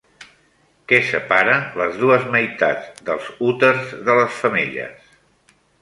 Què separa les dues meitats dels úters de les femelles?